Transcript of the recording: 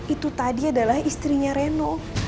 itu tadi adalah istrinya reno